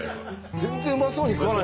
全然うまそうに食わない。